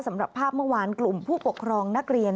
สำหรับภาพเมื่อวานกลุ่มผู้ปกครองนักเรียน